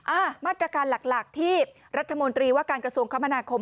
มาตรการหลักหลักที่รัฐมนตรีว่าการกระทรวงคมนาคม